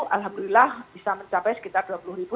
alhamdulillah bisa mencapai sekitar dua puluh ribu